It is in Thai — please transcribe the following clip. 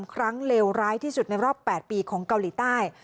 ครั้งเลวร้ายที่สุดในรอบ๘ปีของเกาหลีใต้